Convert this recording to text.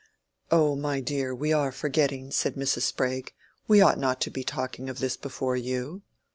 "Oh, my dear, we are forgetting," said Mrs. Sprague. "We ought not to be talking of this before you."